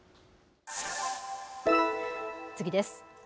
次です。